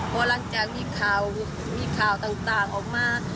เพราะหลังจากมีข่าวมีข่าวต่างออกมา